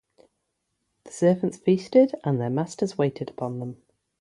The servants feasted and their masters waited upon them.